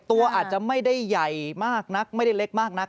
ตัวอาจจะไม่ได้ใหญ่มากนักไม่ได้เล็กมากนัก